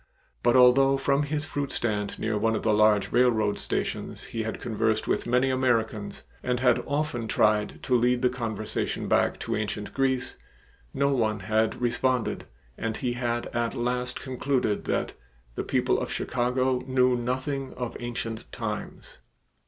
But although from his fruit stand near one of the large railroad stations he had conversed with many Americans and had often tried to lead the conversation back to ancient Greece, no one had responded, and he had at last concluded that "the people of Chicago knew nothing of ancient times."